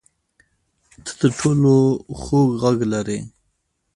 ته تر ټولو خوږ غږ لرې